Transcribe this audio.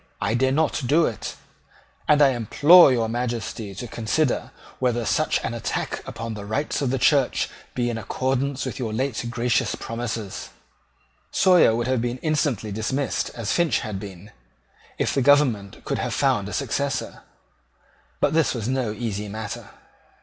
I dare not do it; and I implore your Majesty to consider whether such an attack upon the rights of the Church be in accordance with your late gracious promises." Sawyer would have been instantly dismissed as Finch had been, if the government could have found a successor: but this was no easy matter.